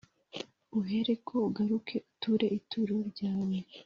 uhereko ugaruke uture ituro ryawe